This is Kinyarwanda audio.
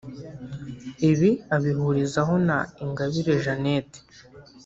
Ibi abihurizaho na Ingabire Jeannette